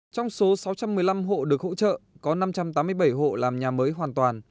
trong số sáu trăm một mươi năm hộ được hỗ trợ có năm trăm tám mươi bảy hộ làm nhà mới hoàn toàn